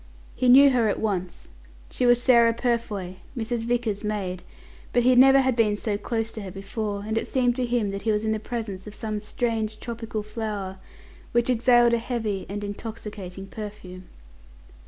He knew her at once. She was Sarah Purfoy, Mrs. Vickers's maid, but he never had been so close to her before; and it seemed to him that he was in the presence of some strange tropical flower, which exhaled a heavy and intoxicating perfume.